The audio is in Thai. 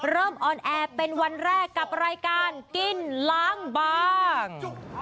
ออนแอร์เป็นวันแรกกับรายการกินล้างบาง